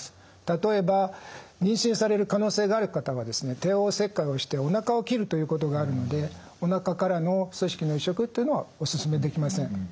例えば妊娠される可能性がある方はですね帝王切開をしておなかを切るということがあるのでおなかからの組織の移植というのはお勧めできません。